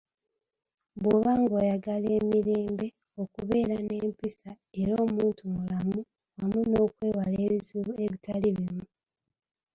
Bwoba ng'oyagala emirembe, okubeera nempisa, era omuntu mulamu wamu n'okwewala ebizibu ebitali bimu